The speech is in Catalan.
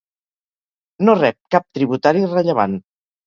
No rep cap tributari rellevant.